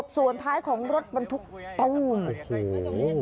ส่วนท้ายของรถบรรทุกตู้โอ้โห